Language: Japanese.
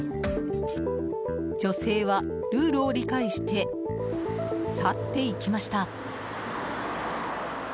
女性はルールを理解して去っていきました。